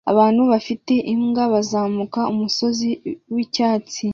Abantu bafite imbwa bazamuka umusozi wicyatsi